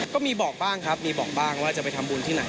ก็มีบอกบ้างครับมีบอกบ้างว่าจะไปทำบุญที่ไหน